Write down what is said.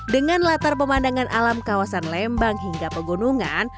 dengan latar pemandangan alam kawasan lembang hingga pegunungan